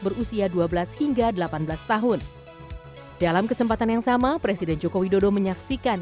berusia dua belas hingga delapan belas tahun dalam kesempatan yang sama presiden joko widodo menyaksikan